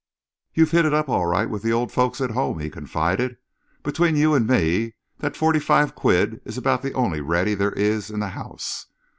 "You've hit it up all right with the old folks at home," he confided. "Between you and me, that forty five quid is about the only ready there is in the house.